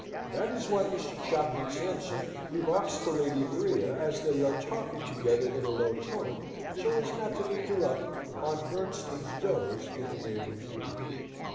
That is what Mr. Chaplain Sampson remarks to Lady Maria, as they are talking together in a low tone, so as not to interrupt Aunt Bernstein's doze in the neighbouring room.